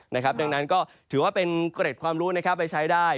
ดังนั้นก็ถือว่าเป็นเกร็ดความรู้ไปใช้ได้